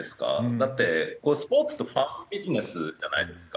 だってスポーツってファンビジネスじゃないですか。